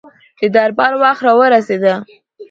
د دربار وخت را ورسېدی.